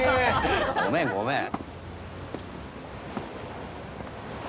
ごめんごめん。